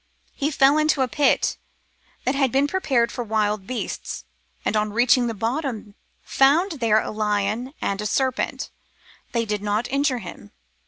He fell into a pit that had been prepared for wild beasts, and on reaching the bottom found there a lion and a serpent. They did not injure him.